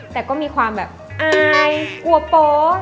แต่ก็มีความแบบอายอวบโป๊